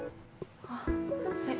あっえっ